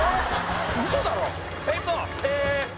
ウソだろ！